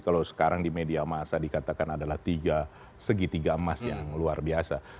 kalau sekarang di media masa dikatakan adalah tiga segitiga emas yang luar biasa